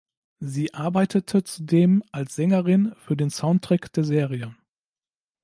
Sie arbeitete zudem als Sängerin für den Soundtrack der Serie.